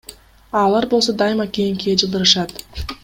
А алар болсо дайыма кийинкиге жылдырышат.